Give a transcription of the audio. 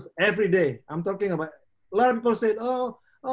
setiap hari saya bicara tentang banyak orang bilang oh oh seperti di bagian atas